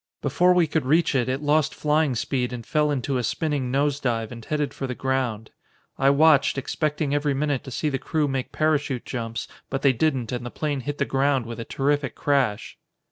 Before we could reach it it lost flying speed and fell into a spinning nose dive and headed for the ground. I watched, expecting every minute to see the crew make parachute jumps, but they didn't and the plane hit the ground with a terrific crash."